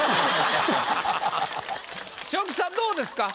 昇吉さんどうですか？